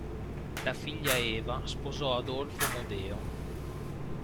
La figlia Eva sposò Adolfo Omodeo.